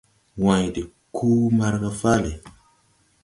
Wãyn de kuu mbarga fáale.